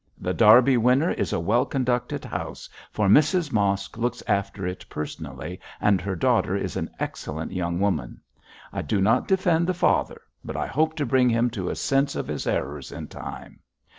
The Derby Winner is a well conducted house, for Mrs Mosk looks after it personally, and her daughter is an excellent young woman. I do not defend the father, but I hope to bring him to a sense of his errors in time.